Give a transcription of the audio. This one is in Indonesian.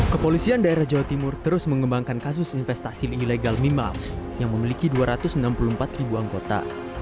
kepolisian daerah jawa timur terus mengembangkan kasus investasi ilegal mimiles yang memiliki dua ratus enam puluh empat ribu anggota